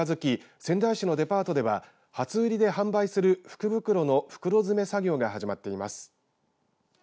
仙台市のデパートでは初売りで販売する福袋の袋詰め作業が始まっています。